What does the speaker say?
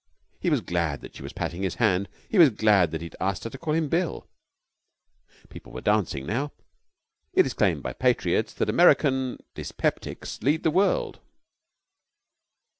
He was glad that she was patting his hand. He was glad that he had asked her to call him Bill. People were dancing now. It has been claimed by patriots that American dyspeptics lead the world.